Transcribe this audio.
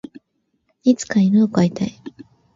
いつか犬を飼いたい。